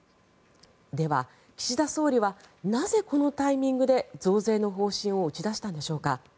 では、岸田総理はなぜこのタイミングで増税の方針を打ち出したんでしょうか。